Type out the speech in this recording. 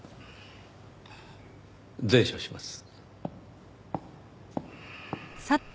善処します。